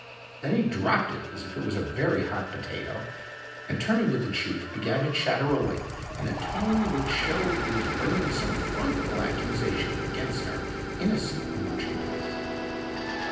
Then he dropped it as if it was a very hot potato, and turning to the chief began to chatter away in a tone which showed he was bringing some frightful accusation against our innocent merchandise.